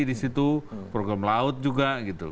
di situ program laut juga gitu